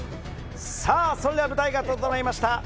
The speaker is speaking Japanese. それでは舞台が整いました。